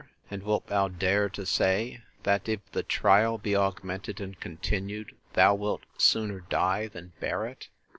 And wilt thou dare to say, That if the trial be augmented and continued, thou wilt sooner die than bear it?